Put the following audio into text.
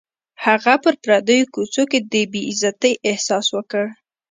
هغې په پردیو کوڅو کې د بې عزتۍ احساس وکړ